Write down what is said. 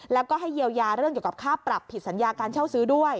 แล้วก็ให้เยียวยาเรื่องเกี่ยวกับค่าปรับผิดสัญญาการเช่าซื้อด้วย